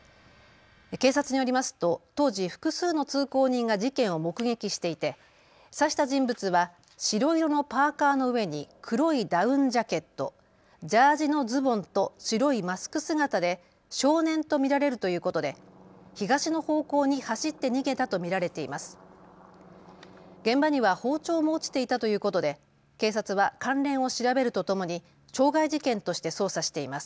警察によりますと当時、複数の通行人が事件を目撃していて刺した人物は白色のパーカーの上に黒いダウンジャケット、ジャージのズボンと白いマスク姿で少年と見られるということで、東の方向に走って逃げたと見られています。